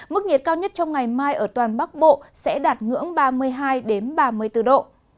mức nhiệt cao nhất trong ngày mai ở toàn bắc bộ sẽ đạt ngưỡng ba mươi hai ba mươi bốn độ